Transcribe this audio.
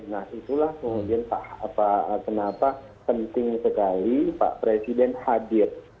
nah itulah kemudian kenapa penting sekali pak presiden hadir